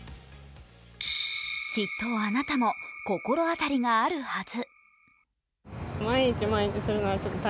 きっとあなたも、心当たりがあるはず。